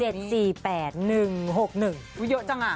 เยอะจังอ่ะ